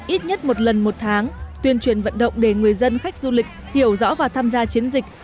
ít nhất một lần một tháng tuyên truyền vận động để người dân khách du lịch hiểu rõ và tham gia chiến dịch